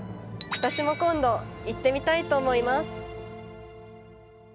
今度、私も行ってみたいと思います。